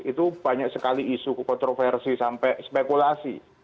itu banyak sekali isu kontroversi sampai spekulasi